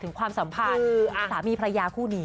ความสัมพันธ์สามีพระยาคู่นี้